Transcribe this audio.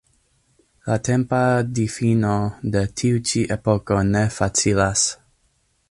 La tempa difino de tiu-ĉi epoko ne facilas.